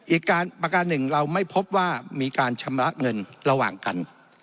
ประการหนึ่งเราไม่พบว่ามีการชำระเงินระหว่างกัน